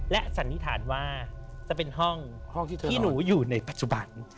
และสันนิษฐานว่าจะเป็นห้องที่หนูอยู่ในปัจจุบัน